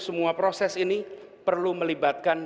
semua proses ini perlu melibatkan